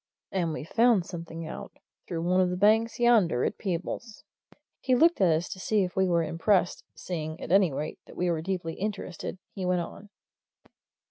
And we've found something out through one of the banks yonder at Peebles." He looked at us as if to see if we were impressed; seeing, at any rate, that we were deeply interested, he went on.